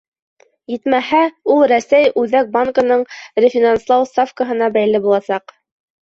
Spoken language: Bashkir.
Етмәһә, ул Рәсәй Үҙәк банкының рефинанслау ставкаһына бәйле буласаҡ.